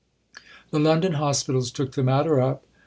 The London Hospitals took the matter up.